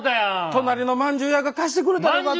隣のまんじゅう屋が貸してくれたらよかったのに。